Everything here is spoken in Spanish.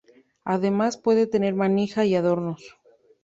Además puede tener manija y adornos.